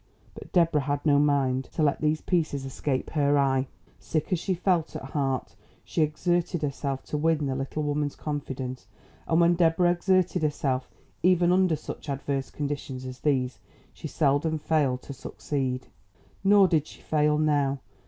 But Deborah had no mind to let these pieces escape her eye. Sick as she felt at heart, she exerted herself to win the little woman's confidence; and when Deborah exerted herself, even under such adverse conditions as these, she seldom failed to succeed. Nor did she fail now.